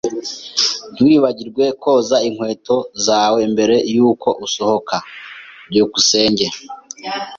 Ntiwibagirwe koza inkweto zawe mbere yuko usohoka! byukusenge